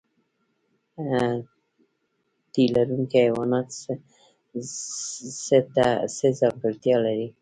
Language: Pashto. تی لرونکي حیوانات څه ځانګړتیا لري؟